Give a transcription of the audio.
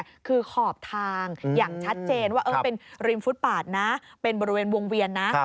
คือขอบทางอย่างชัดเจนว่าเป็นริมฟุตปาดนะเป็นบริเวณวงเวียนนะ